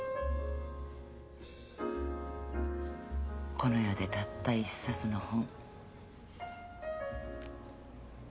この世でたった一冊の本。